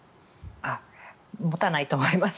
持たないと思います。